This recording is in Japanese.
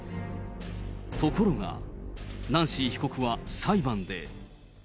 ところが、ナンシー被告は裁判で。